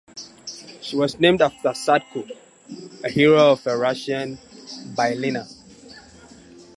She was named after Sadko, a hero of a Russian "bylina".